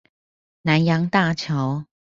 南陽大橋